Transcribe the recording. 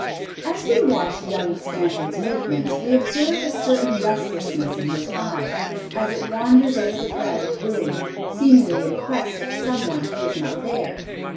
As we watch young Stanton's movements, we observe a certain restlessness in his eye, as it wanders over the crowded room, seemingly in quest of some one who is not there.